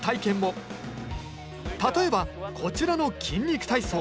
例えばこちらの「筋肉体操」。